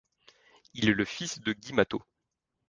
Il est le fils de Guy Mathot.